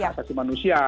hak asasi manusia